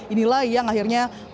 inilah yang akhirnya